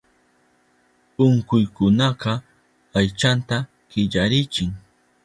Unkuykunaka aychanta killarichin.